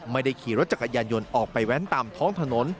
ไม่ได้ขี่รถจักรยานยนต์ออกไปแว้นตามท้องถนน